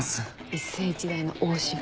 一世一代の大芝居。